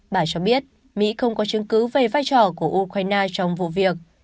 bà cho biết mỹ không có chứng cứ về vai trò của ukraine trong vụ việc